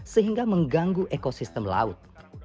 sehingga mengganggu ekosistem laut